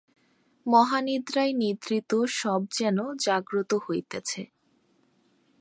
মহানিদ্রায় নিদ্রিত শব যেন জাগ্রত হইতেছে।